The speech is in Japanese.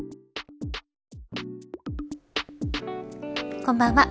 こんばんは。